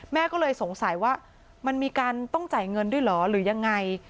แม่ก็เลยสงสัยว่ามันมีการต้องจ่ายเงินด้วยเหรอหรือยังไง